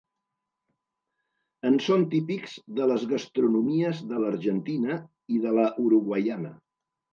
En són típics de les gastronomies de l'argentina i de la uruguaiana.